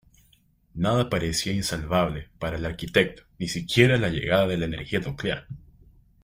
Nada parecía insalvable para el arquitecto, ni siquiera la llegada de la energía nuclear.